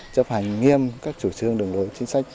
chấp hành nghiêm các chủ trương đường lối chính sách